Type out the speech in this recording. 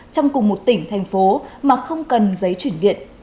trong cùng một tỉnh thành phố mà không cần giấy chuyển viện